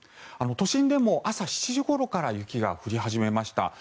都心でも朝７時ごろから雪が降り始めました。